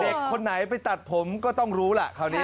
คนไหนไปตัดผมก็ต้องรู้ล่ะคราวนี้